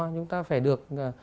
chúng ta phải được